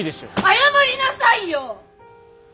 謝りなさいよ！